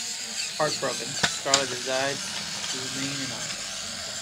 Heartbroken, Scarlett decides to remain in Ireland.